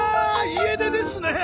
家出ですね！